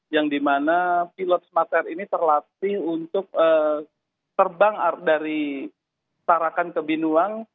yang dimana pilot smart air ini terlatih untuk terbang dari tarakan ke binuang